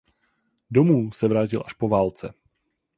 Domů se vrátil až po válce.